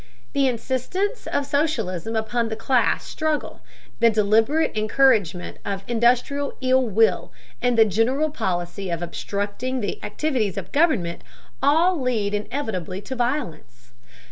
The insistence of socialism upon the class struggle, the deliberate encouragement of industrial ill will and the general policy of obstructing the activities of government, all lead inevitably to violence.